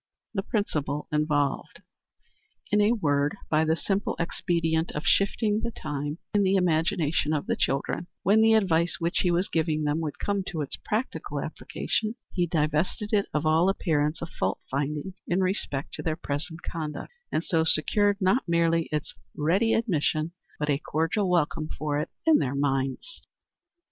The Principle Involved. In a word, by the simple expedient of shifting the time, in the imagination of the children, when the advice which he was giving them would come to its practical application, he divested it of all appearance of fault finding in respect to their present conduct, and so secured not merely its ready admission, but a cordial welcome for it, in their minds.